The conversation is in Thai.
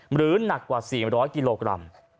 หรือหนักกว่า๔๐๐กิโลกรัม